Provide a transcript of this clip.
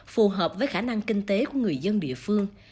phù hợp với khả năng kinh tế của người dân địa phương